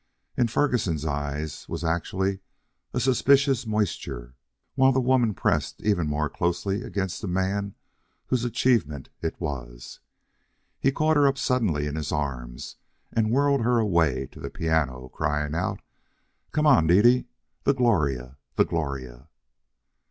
In Ferguson's eyes was actually a suspicious moisture while the woman pressed even more closely against the man whose achievement it was. He caught her up suddenly in his arms and whirled her away to the piano, crying out: "Come on, Dede! The Gloria! The Gloria!"